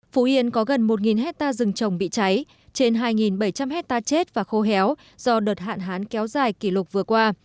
phú yên có gần một hectare rừng trồng bị cháy trên hai bảy trăm linh hectare chết và khô héo do đợt hạn hán kéo dài kỷ lục vừa qua